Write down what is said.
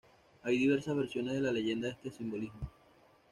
Hay diversas versiones de la leyenda de este simbolismo.